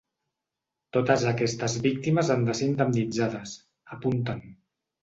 Totes aquestes víctimes han de ser indemnitzades, apunten.